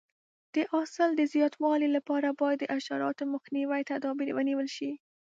د حاصل د زیاتوالي لپاره باید د حشراتو مخنیوي تدابیر ونیول شي.